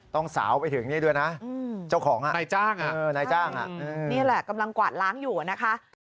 ต้องสาวไปถึงนี่ด้วยนะเจ้าของอะนายจ้างอะนี่แหละกำลังกวาดล้างอยู่อะนะคะ